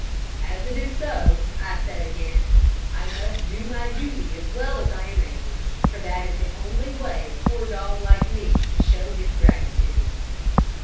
"As it is so," I said again, "I must do my duty as well as I am able, for that is the only way a poor dog like me can show his gratitude."